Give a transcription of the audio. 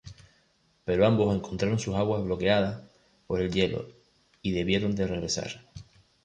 Pero ambos encontraron sus aguas bloqueadas por el hielo y debieron de regresar.